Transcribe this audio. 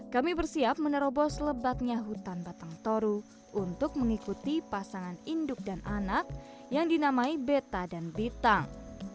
kami bersiap menerobos lebatnya hutan batang toru untuk mengikuti pasangan induk dan anak yang dinamai beta dan bintang